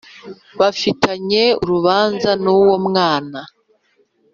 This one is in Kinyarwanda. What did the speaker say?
Bafitanye urubanza n uwo mwana